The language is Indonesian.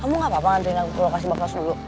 kamu gak apa apa ngantriin aku ke lokasi baklas dulu